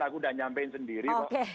aku udah nyampein sendiri